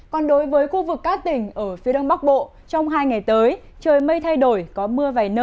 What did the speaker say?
còn đối với khu vực các tỉnh ở phía đông bắc bộ trong hai ngày tới trời mây thay đổi có mưa vài nơi